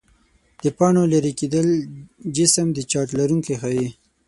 د پاڼو لیري کېدل جسم د چارج لرونکی ښيي.